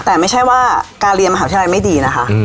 แต่ไม่ใช่ว่าการเรียนมหาวิทยาลัยไม่ดีนะคะ